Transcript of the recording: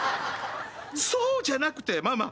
そうじゃなくてママ。